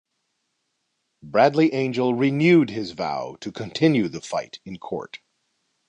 Bradley Angel renewed his vow to continue the fight in court.